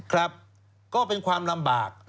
ครับก็เป็นความลำบาก